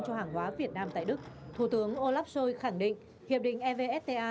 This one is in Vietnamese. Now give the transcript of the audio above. cho hàng hóa việt nam tại đức thủ tướng olaf schoi khẳng định hiệp định evfta